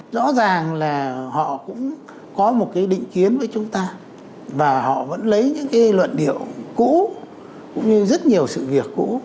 rõ ràng là họ cũng có một cái định kiến với chúng ta và họ vẫn lấy những cái luận điệu cũ cũng như rất nhiều sự việc cũ